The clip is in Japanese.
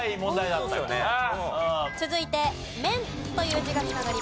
続いて「面」という字が繋がります。